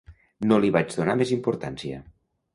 No li vaig donar més importància.